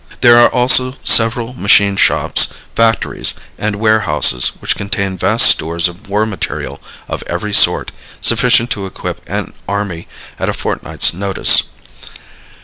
There are also several machine shops, factories and warehouses which contain vast stores of war material of every sort sufficient to equip an army at a fortnight's notice.